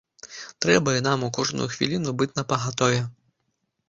Трэба і нам у кожную хвіліну быць напагатове.